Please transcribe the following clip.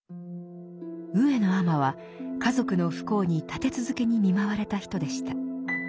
上野尼は家族の不幸に立て続けに見舞われた人でした。